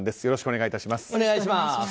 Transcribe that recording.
よろしくお願いします。